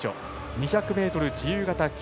２００ｍ自由形、金。